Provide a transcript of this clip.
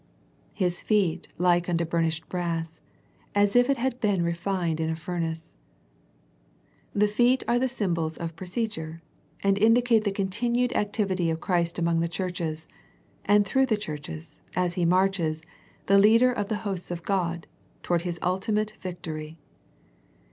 " His feet like unto burnished brass, as if it had been refined in a furnace/* The feet are the symbols of procedure, and indicate the con tinued activity of Christ among the churches, and through the churches, as He marches, the Leader of the hosts of God, toward His ulti mate victory.